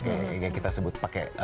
yang kita sebut pakai